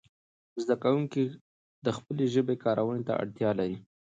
زده کوونکي د خپلې ژبې کارونې ته اړتیا لري.